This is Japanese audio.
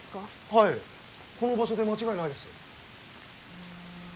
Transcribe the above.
はいこの場所で間違いないです。